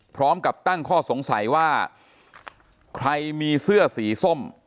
พร้อมกับตั้งข้อสงสัยว่าใครมีเสื้อสีส้ม